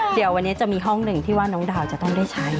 เดี๋ยววันนี้จะมีห้องหนึ่งที่ว่าน้องดาวจะต้องได้ใช้